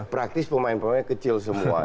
praktis pemain pemainnya kecil semua